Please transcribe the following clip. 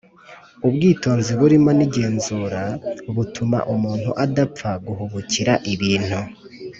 Ubwitonzi burimo n’igenzura butuma umuntu adapfa guhubukira ibintu